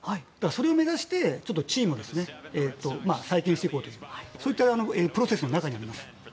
それを目指して、チームを再建していこうというプロセスの中にいます。